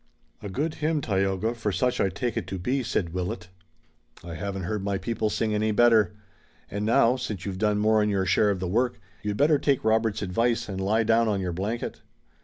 "A good hymn, Tayoga, for such I take it to be," said Willet. "I haven't heard my people sing any better. And now, since you've done more'n your share of the work you'd better take Robert's advice and lie down on your blanket."